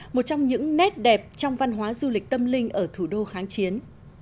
một trong những nét đẹp trong văn hóa du lịch tâm linh ở thủ đô kháng chiến